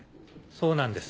そうなんです